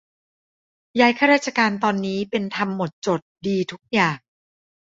ย้ายข้าราชการตอนนี้เป็นธรรมหมดจด ดีทุกอย่าง